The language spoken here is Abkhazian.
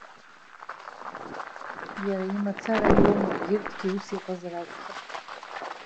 Иара имацара иоума, егьырҭгьы ус иҟазар акәхап.